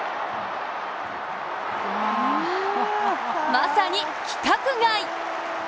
まさに規格外！